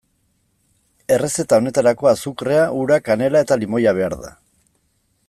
Errezeta honetarako azukrea, ura, kanela eta limoia behar da.